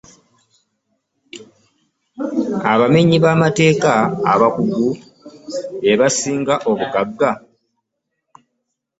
Abamenyi b'amateeka abakugu be basinga obugagga.